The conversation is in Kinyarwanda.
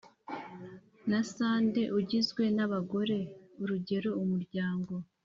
na Sande ugizwe n abagore Urugero umuryango